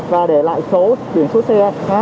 và để lại số chuyển số xe